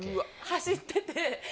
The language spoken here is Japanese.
走ってて。